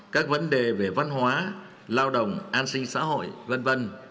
các vấn đề về văn hóa lao động an sinh xã hội v v